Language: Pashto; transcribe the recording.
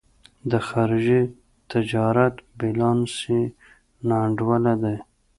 د خارجي تجارت بیلانس یې نا انډوله دی.